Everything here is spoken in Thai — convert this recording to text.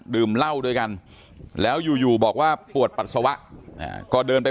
ดื่มเหล้าด้วยกันแล้วอยู่บอกว่าปวดปัสสาวะก็เดินไป